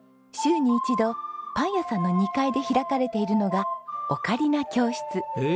週に一度パン屋さんの２階で開かれているのがオカリナ教室。